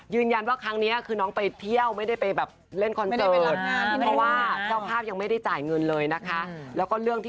ยืนยันว่าครั้งนี้คือน้องไปเที่ยวไม่ได้ไปแบบเล่นคอนเซิร์ต